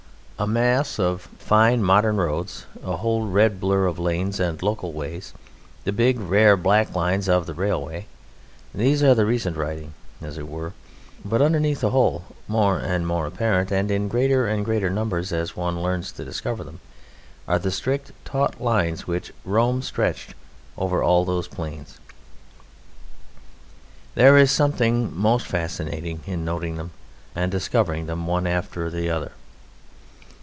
A mass of fine modern roads, a whole red blur of lanes and local ways, the big, rare black lines of the railway these are the recent writing, as it were; but underneath the whole, more and more apparent and in greater and greater numbers as one learns to discover them, are the strict, taut lines which Rome stretched over all those plains. There is something most fascinating in noting them, and discovering them one after the other.